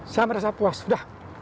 saya merasa puas sudah